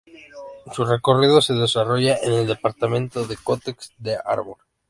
Su recorrido se desarrolla en el departamento de Côtes-d'Armor.